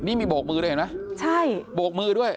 นี่มีโบกมือด้วยเห็นมั้ย